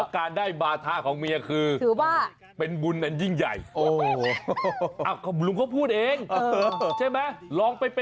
เธอหาคนอื่นเขาสิถึงตายแน่